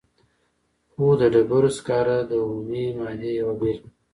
خو د ډبرو سکاره د اومې مادې یوه بیلګه ده.